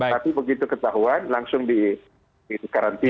tapi begitu ketahuan langsung di karantina